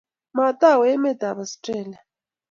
Matawe emet ab Austrlia